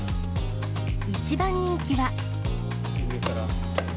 一番人気は。